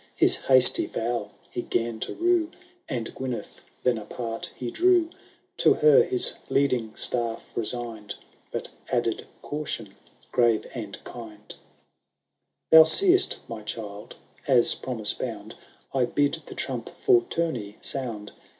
His hasty vow he 'gan to rue, And Gyneth then apart he drew ; To her his leading staff icsign'd. But added caution grave and kind, XX. "* Thou see'st, my child, as promise bound, I bid the trump for tourney sound.